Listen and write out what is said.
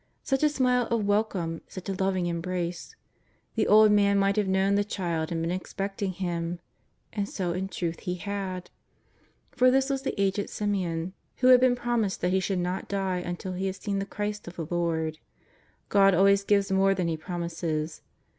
Such a smile of welcome, such a loving embrace ! the old man might have known the Child and been expecting Him. And so in truth he had. For this was the aged Simeon who had been promised that he should not die until he had seen the Christ of the Lord. God always gives more than He promises.